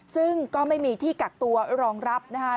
ซึ่งก็ไม่มีที่กักตัวรองรับนะคะ